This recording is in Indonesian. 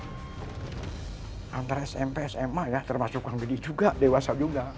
antara smp sma ya termasuk kang biddi juga dewasa juga